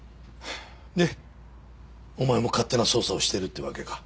でお前も勝手な捜査をしてるってわけか。